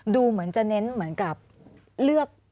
ดูเหมือนจะเน้นเหมือนกับเลือก